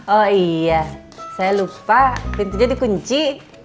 oh iya saya lupa pintunya dikunci